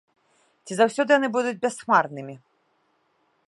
Ці заўсёды яны будуць бясхмарнымі?